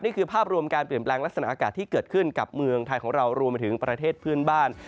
นี่คือภาพรวมการเปลี่ยนแปลงลักษณะอากาศที่เกิดขึ้นกับเมืองไทยของเรารวมไปถึงประเทศเพื่อนบ้าน